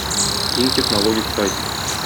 иң технологик сайт